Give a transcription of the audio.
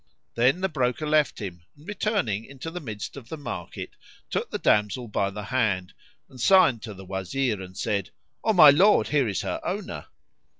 Then the broker left him and, returning into the midst of the market, took the damsel by the hand, and signed to the Wazir and said, "O my lord, here is her owner."